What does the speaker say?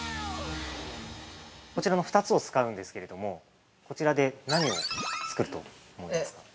◆こちらの２つを使うんですけれども、こちらで何を作ると思いますか。